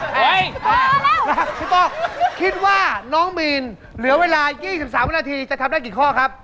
พี่ป้องคิดว่าน้องมีนเหลือเวลา๒๓วินาทีจะทำได้กี่ข้อครับ